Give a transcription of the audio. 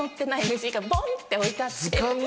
虫がボン！って置いてあって。